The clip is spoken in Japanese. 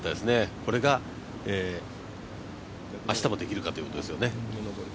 これが明日もできるかということですよね。